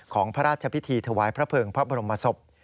พระราชพิธีถวายพระเภิงพระบรมศพ